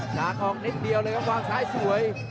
ชากองนิดเดียวเลยครับวางซ้ายสวย